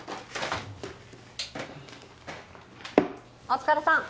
お疲れさん！